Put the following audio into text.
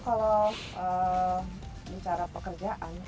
kalau bicara pekerjaan